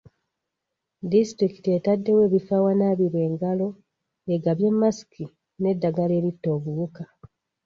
Disitulikiti etaddewo ebifo awanaabirwa engalo, egabye masiki n'eddagala eritta obuwuka.